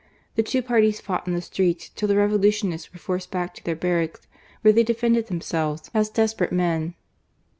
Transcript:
The two parties fought in the streets till the Revo lutionists were forced back to their barracks, where they defended themselves as desperate men.